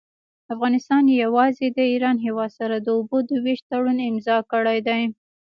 افغانستان يوازي د ايران هيواد سره د اوبو د ويش تړون امضأ کړي دي.